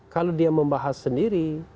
kalau dia membahas sendiri